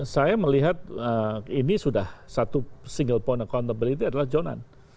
saya melihat ini sudah satu single point accountability adalah jonan